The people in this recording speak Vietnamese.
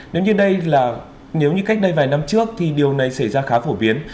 nếu như cách đây vài năm trước thì điều này xảy ra khá phổ biến